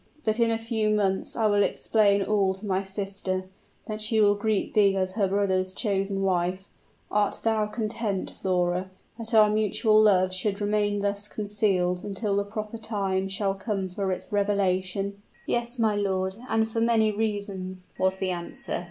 But, in a few months I will explain all to my sister, and she will greet thee as her brother's chosen bride. Are thou content, Flora, that our mutual love should remain thus concealed until the proper time shall come for its revelation?" "Yes, my lord, and for many reasons," was the answer.